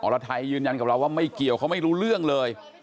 รไทยยืนยันกับเราว่าไม่เกี่ยวเขาไม่รู้เรื่องเลย